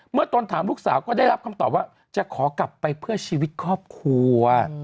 ตนถามลูกสาวก็ได้รับคำตอบว่าจะขอกลับไปเพื่อชีวิตครอบครัว